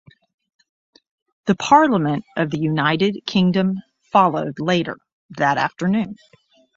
The Parliament of the United Kingdom followed later that afternoon.